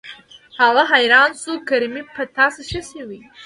هغه حيران شو کریمې په تا څه شوي.